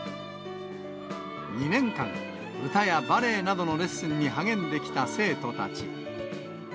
２年間、歌やバレエなどのレッスンに励んできた生徒たち。